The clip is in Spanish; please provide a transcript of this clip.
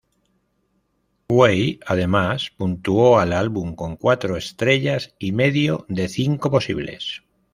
Huey además puntuó al álbum con cuatro estrellas y medio de cinco posibles.